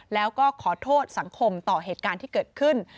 แล้วก็ขอโทษสังคมต่อเหตุการณ์ที่เกิดขึ้น